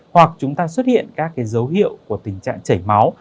hoặc chúng ta xuất hiện các dấu hiệu của tình trạng chảy máu